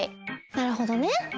なるほどね。